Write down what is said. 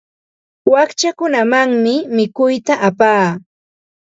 Wakchakunamanmi mikuyta apaa.